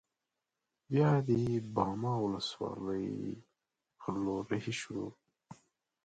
بیا د باما ولسوالۍ پر لور رهي شوو.